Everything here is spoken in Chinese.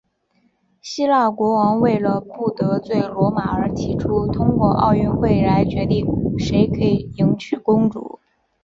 希腊国王为了不得罪罗马而提出通过奥运会来决定谁可以迎娶公主。